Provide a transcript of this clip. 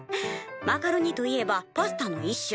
「マカロニといえばパスタの一種。